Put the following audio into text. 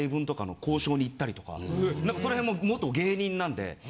その辺も元芸人なんで。